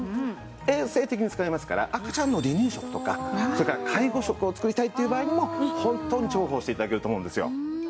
衛生的に使えますから赤ちゃんの離乳食とかそれから介護食を作りたいっていう場合にも本当に重宝して頂けると思うんですよ。